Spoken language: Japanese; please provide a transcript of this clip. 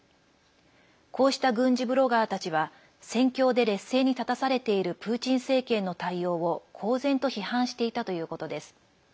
こうした軍事ブロガーたちは戦況で劣勢に立たされているプーチン政権の対応を公然と批判していたということです。